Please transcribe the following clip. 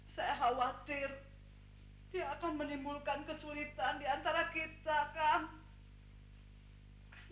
saya khawatir dia akan menimbulkan kesulitan di antara kita kang